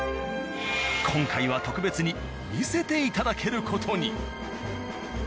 今回は特別に見せていただける事に。